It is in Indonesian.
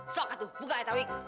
sokatu buka ya tauik